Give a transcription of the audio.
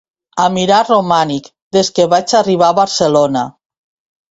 A mirar romànic, des que vaig arribar a Barcelona.